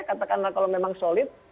katakanlah kalau memang solid